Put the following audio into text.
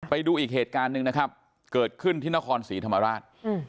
ไปดูอีกเหตุการณ์หนึ่งนะครับเกิดขึ้นที่นครศรีธรรมราช